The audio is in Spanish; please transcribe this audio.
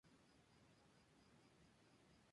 Es un queso de oveja cruda.